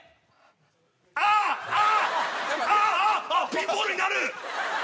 ピンボールになる。